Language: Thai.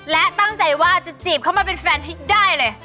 และตั้งใจว่าจะจีบเข้ามาเป็นแฟนให้ได้เลย